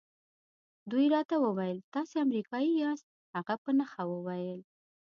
دوی راته وویل تاسي امریکایی یاست. هغه په نښه وویل.